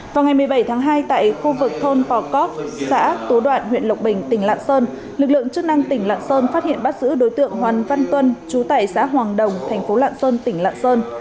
vào ngày một mươi bảy tháng hai tại khu vực thôn pò cót xã tú đoạn huyện lộc bình tỉnh lạng sơn lực lượng chức năng tỉnh lạng sơn phát hiện bắt giữ đối tượng hoàng văn tuân chú tại xã hoàng đồng thành phố lạng sơn tỉnh lạng sơn